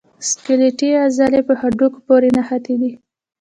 سکلیټي عضلې په هډوکو پورې نښتي دي.